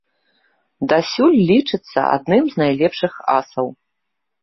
Дасюль лічыцца адным з найлепшых асаў.